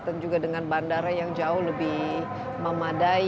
dan juga dengan bandara yang jauh lebih memadai